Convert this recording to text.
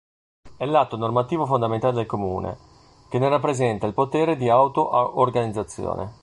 È l'atto normativo fondamentale del Comune, che ne rappresenta il potere di auto-organizzazione.